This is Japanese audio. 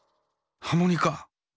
ハモニカ。